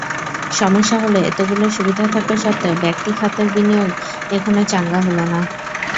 সমস্যা হলো এতগুলো সুবিধা থাকা সত্ত্বেও ব্যক্তি খাতের বিনিয়োগ এখনো চাঙা হলো না।